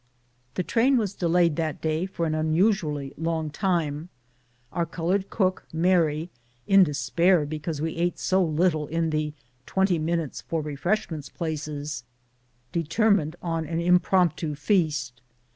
The train was delayed that day for an unusually long time; our colored cook, Mary, in despair because we ate so little in the " twenty minutes for refreshments " places, determined on an impromptu feast.